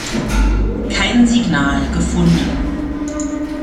Kein Signal gefunden.